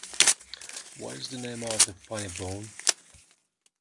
What is the name of the funny bone?